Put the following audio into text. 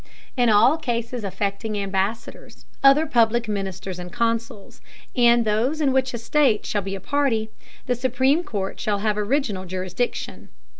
In all Cases affecting Ambassadors, other public Ministers and Consuls, and those in which a State shall be Party, the supreme Court shall have original Jurisdiction.